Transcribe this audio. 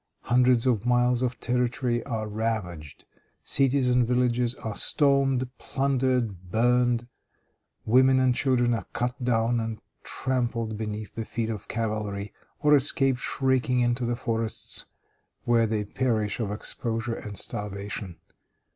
Hundreds of miles of territory are ravaged. Cities and villages are stormed, plundered, burned; women and children are cut down and trampled beneath the feet of cavalry, or escape shrieking into the forests, where they perish of exposure and starvation.